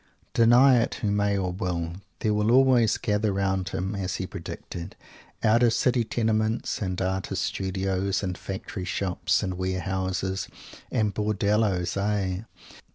Deny it, who may or will. There will always gather round him as he predicted out of City Tenements and Artist Studios and Factory Shops and Ware Houses and Bordelloes aye!